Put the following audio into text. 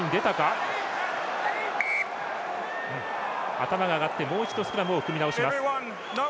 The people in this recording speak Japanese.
頭が上がって、もう一度スクラムを組み直します。